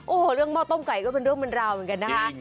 โอ้โหเรื่องหม้อต้มไก่ก็เป็นเรื่องเป็นราวเหมือนกันนะคะ